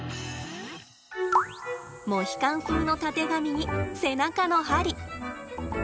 モヒカン風のタテガミに背中の針。